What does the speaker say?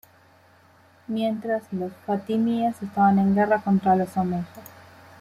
Mientras, los fatimíes estaban en guerra contra los omeyas.